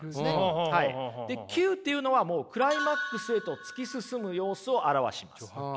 で「急」っていうのはもうクライマックスへと突き進む様子を表します。